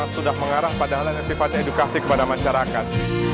sudah mengarah pada hal yang sifatnya edukasi kepada masyarakat